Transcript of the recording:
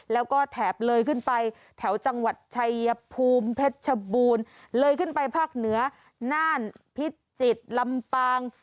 แล้วก็แถบเลยขึ้นไปแถวจังหวัดชัยภูมิเพชรชบูรณ์เลยขึ้นไปภาคเหนือน่านพิจิตรลำปาง